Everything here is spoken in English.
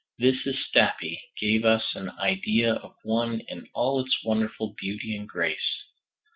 This at Stapi gave us an idea of one in all its wonderful beauty and grace.